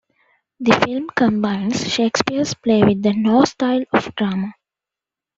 The film combines Shakespeare's play with the Noh style of drama.